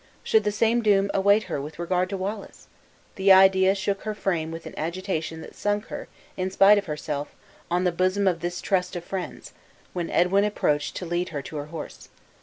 Should the same doom await her with regard to Wallace! The idea shook her frame with an agitation that sunk her, in spite of herself, on the bosom of this trust of friends, when Edwin approached to lead her to her horse.